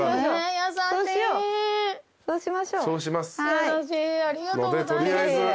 優しいありがとうございます。